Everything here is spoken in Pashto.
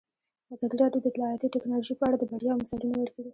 ازادي راډیو د اطلاعاتی تکنالوژي په اړه د بریاوو مثالونه ورکړي.